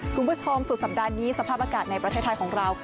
คุณผู้ชมสุดสัปดาห์นี้สภาพอากาศในประเทศไทยของเรา